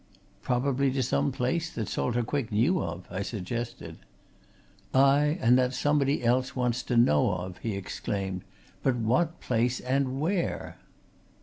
"Probably to some place that Salter Quick knew of," I suggested. "Aye, and that somebody else wants to know of!" he exclaimed. "But what place, and where?"